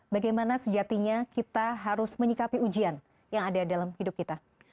bagaimana sejatinya kita harus menyikapi ujian yang ada dalam hidup kita